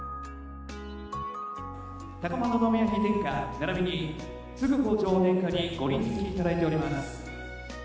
高円宮妃殿下ならびに承子女王殿下にご臨席いただいております。